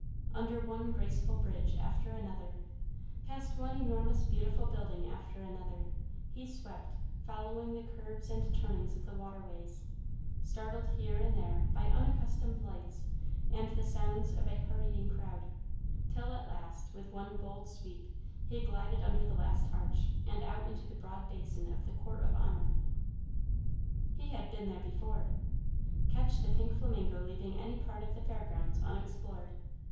Under one graceful bridge after another, past one enormous beautiful building after another, he swept, following the curves and turnings of the waterways, startled here and there by unaccustomed lights and the sounds of a hurrying crowd, till at last, with one bold sweep, he glided under the last arch and out into the broad basin of the Court of Honor. He had been there before. Catch the pink flamingo leaving any part of the Fair Grounds unexplored!